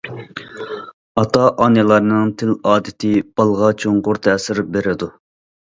ئاتا- ئانىلارنىڭ تىل ئادىتى بالغا چوڭقۇر تەسىر بېرىدۇ.